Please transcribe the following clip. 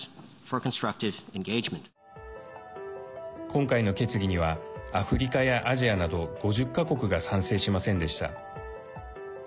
今回の決議にはアフリカやアジアなど５０か国が賛成しませんでした。